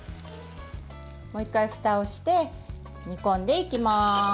もう１回ふたをして煮込んでいきます。